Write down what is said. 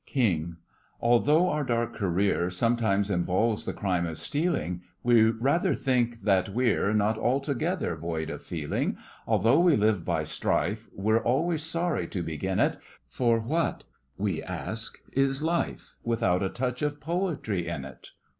KING: Although our dark career Sometimes involves the crime of stealing, We rather think that we're Not altogether void of feeling. Although we live by strife, We're always sorry to begin it, For what, we ask, is life Without a touch of Poetry in it?